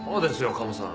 カモさん。